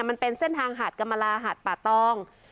มันเป็นเส้นทางหาดกรรมลาหาดป่าตอง